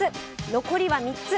残りは３つ。